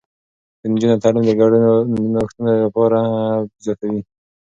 د نجونو تعليم د ګډو نوښتونو باور زياتوي.